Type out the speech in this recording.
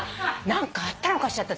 「何かあったのかしら？」